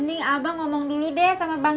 dia bilang kagak nemu dimana mana